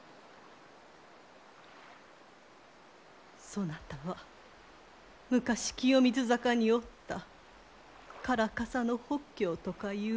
そなたは昔清水坂におった唐笠法橋とかいう法師の子じゃ。